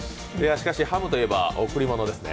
しかしハムといえば贈り物ですね。